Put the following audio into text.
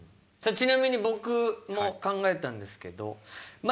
ちなみに僕も考えたんですけどま